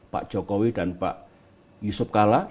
pak jokowi dan pak yusuf kala